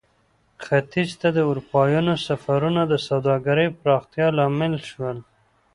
ختیځ ته د اروپایانو سفرونه د سوداګرۍ پراختیا لامل شول.